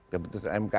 keputusan mk itu